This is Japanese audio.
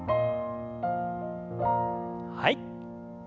はい。